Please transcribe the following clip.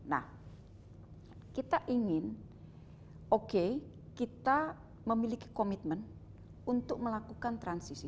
nah kita ingin oke kita memiliki komitmen untuk melakukan transisi